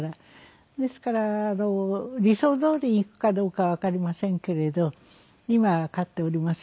ですから理想どおりにいくかどうかはわかりませんけれど今飼っております